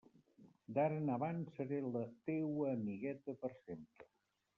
D'ara en avant seré la teua amigueta per sempre.